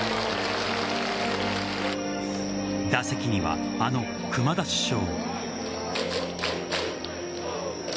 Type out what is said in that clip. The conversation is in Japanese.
打席には、あの熊田主将。